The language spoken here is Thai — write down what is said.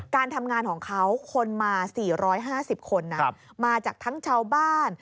การทำงานของเขาคนมา๔๕๐คนนะมาจากทั้งชาวบ้าน